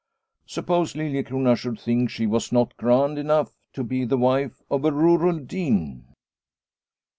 Suppose Liliecrona should think she was not grand enough to be the wife of a rural dean